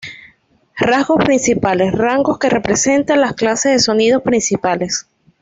Rasgos principales: Rasgos que representan las clases de sonidos principales.